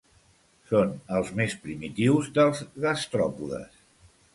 Són els més primitius dels gastròpodes.